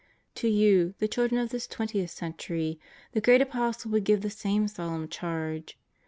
* To you, the children of this twentieth century, the great Apostle would give the same solemn charge.